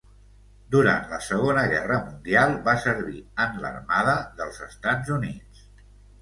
Durant la Segona Guerra Mundial va servir en l'armada dels Estats Units.